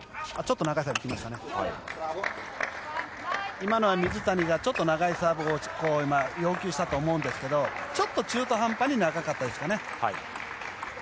今のは水谷がちょっと長いサーブを要求したと思うんですがちょっと中途半端に長かったですかね。